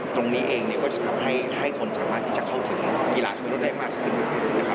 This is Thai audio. ตรงนี้เองเนี่ยก็จะทำให้คนสามารถที่จะเข้าถึงกีฬาทั่วโลกได้มากขึ้นนะครับ